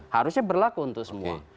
harusnya berlaku untuk semua